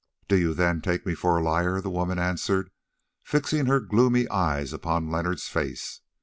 "Did you then take me for a liar?" the woman answered, fixing her gloomy eyes upon Leonard's face.